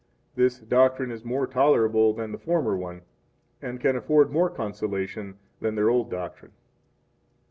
7 This doctrine is more tolerable than the former one, and can afford more consolation than their old doctrine.